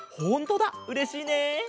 うれしいねえ。